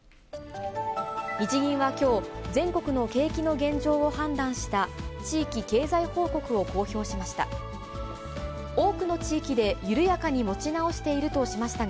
日銀はきょう、全国の景気の現状を判断した地域経済報告を公表しました。